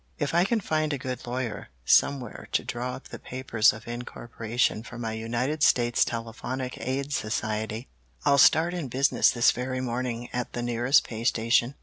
If I can find a good lawyer somewhere to draw up the papers of incorporation for my United States Telephonic Aid Society, I'll start in business this very morning at the nearest pay station."